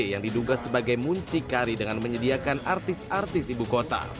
yang diduga sebagai muncikari dengan menyediakan artis artis ibu kota